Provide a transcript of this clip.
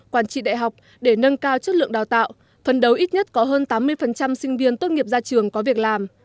quản trị đại học để nâng cao chất lượng đào tạo phần đầu ít nhất có hơn tám mươi sinh viên tốt nghiệp ra trường có việc làm